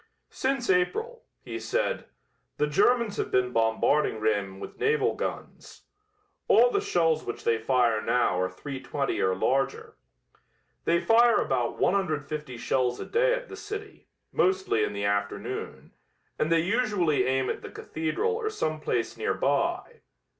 "Since April," he said, "the Germans have been bombarding Rheims with naval guns. All the shells which they fire now are .320 or larger. They fire about 150 shells a day at the city, mostly in the afternoon, and they usually aim at the cathedral or some place near by."